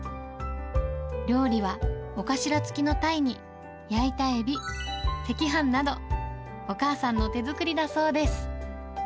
料理は尾頭付きのタイに、焼いたエビ、赤飯など、お母さんの手作りだそうです。